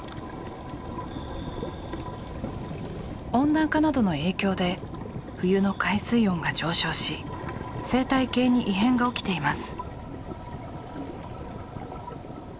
温暖化などの影響で冬の海水温が上昇し生態系に異変が起きています。